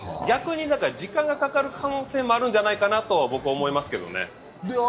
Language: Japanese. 逆に時間がかかる可能性もあるんじゃないかなと僕は思いますけどね。